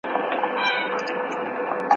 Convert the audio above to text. رباب او سارنګ ژبه نه لري `